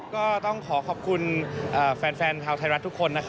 ก็ต้องขอขอบคุณแฟนชาวไทยรัฐทุกคน